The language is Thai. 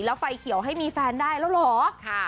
แล้วไฟเขียวให้มีแฟนได้แล้วเหรอ